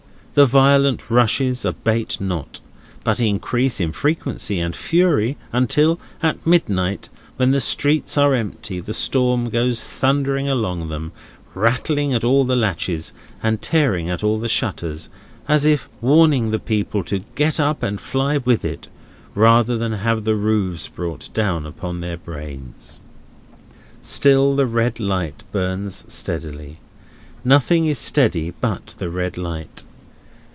The violent rushes abate not, but increase in frequency and fury until at midnight, when the streets are empty, the storm goes thundering along them, rattling at all the latches, and tearing at all the shutters, as if warning the people to get up and fly with it, rather than have the roofs brought down upon their brains. Still, the red light burns steadily. Nothing is steady but the red light.